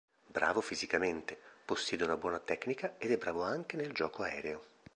Bravo fisicamente, possiede una buona tecnica ed è bravo anche nel gioco aereo.